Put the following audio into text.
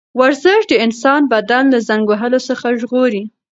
ورزش د انسان بدن له زنګ وهلو څخه ژغوري.